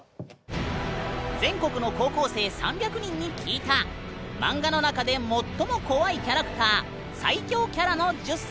全国の高校生３００人に聞いたマンガの中で最も怖いキャラクター最恐キャラの１０選。